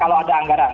kalau ada anggaran